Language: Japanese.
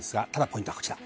ポイントはこちら。